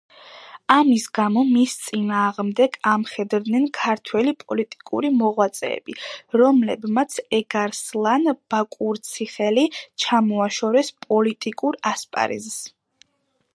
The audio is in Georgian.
ამის გამო მის წინააღმდეგ ამხედრდნენ ქართველი პოლიტიკური მოღვაწეები, რომლებმაც ეგარსლან ბაკურციხელი ჩამოაშორეს პოლიტიკურ ასპარეზს.